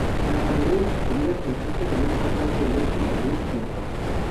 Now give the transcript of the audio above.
La mayoría de sus comidas consisten en un tazón de leche, yogur o arroz.